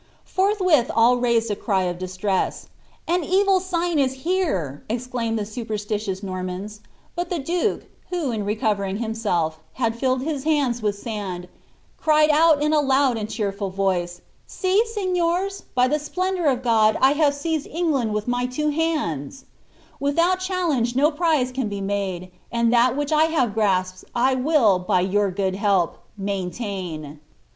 ForihwitJi all raised a cry of JiBlress. "An evil sign is I Mclaimf^ the super«liuou» Noruiana ; but the duke, who, in reci I liiiuM'lf, had filled his iionds with sand, cried nut in a loud and c I Voice, ■' See, sri^^ncurii .' by the sptendimr of God I have st^ised England with my two hands.* Witliout challenge no prize can be made, and that which 1 have grasped I will, by your good help, mainUiin."